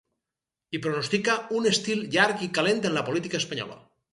I pronostica ‘un estiu llarg i calent en la política espanyola’.